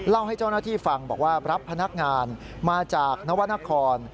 เล่าให้เจ้าหน้าที่ฟังบอกว่ารับพนักงานมาจากนวรรณคร